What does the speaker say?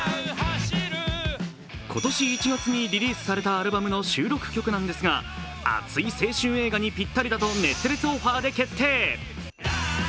今年１月にリリースされたアルバムの収録曲なんですが熱い青春映画にピッタリだと熱烈オファーで決定。